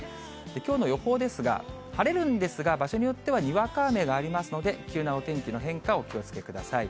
きょうの予報ですが、晴れるんですが、場所によってはにわか雨がありますので、急なお天気の変化、お気をつけください。